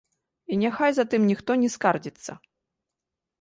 І няхай затым ніхто не скардзіцца.